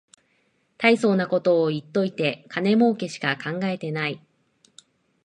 たいそうなこと言っといて金もうけしか考えてない